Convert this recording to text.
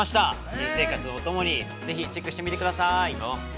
新生活のおともに、ぜひチェックしてみてください。